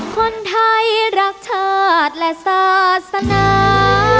คนไทยรักชาติและศาสนา